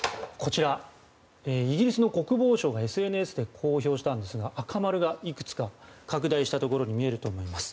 イギリスの国防省のＳＮＳで公表したんですが赤丸がいくつか拡大したところに見えると思います。